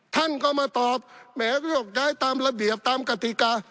ท่านก็มาตอบแหมโยกย้ายตามระเบียบตามกติกา